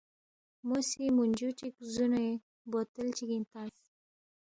مو سی مُونجُو چِک زُونے بوتل چِگِنگ تنگس